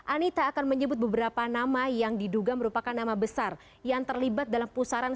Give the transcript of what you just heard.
anita akan menyebut beberapa nama yang diduga merupakan nama besar yang terlibat dalam pusaran